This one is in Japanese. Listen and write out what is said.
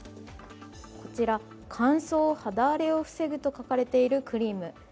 こちら「乾燥・肌荒れを防ぐ」と書かれているクリーム。